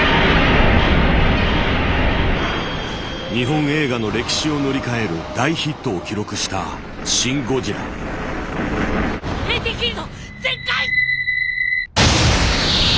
日本映画の歴史を塗り替える大ヒットを記録したＡ．Ｔ．フィールド全開！